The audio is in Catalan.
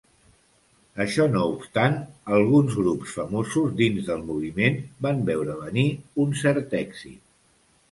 Això no obstant, alguns grups famosos dins del moviment, van veure venir un cert èxit.